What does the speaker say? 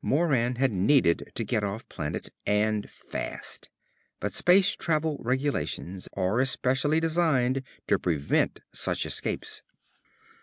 Moran had needed to get off planet, and fast. But space travel regulations are especially designed to prevent such escapes.